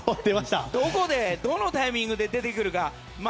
どこでどのタイミングで出てくるか。